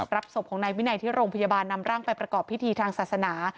ศพของนายวินัยที่โรงพยาบาลนำร่างไปประกอบพิธีทางศาสนา